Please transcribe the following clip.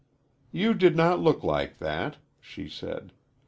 "You did not look like that," she said.